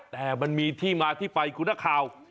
แต่มันมีที่มาที่ไปคุณนักข่าว